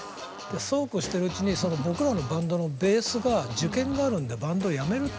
そうこうしてるうちに僕らのバンドのベースが受験があるんでバンドやめるって。